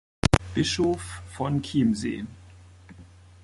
Bischof von Chiemsee.